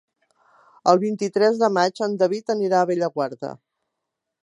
El vint-i-tres de maig en David anirà a Bellaguarda.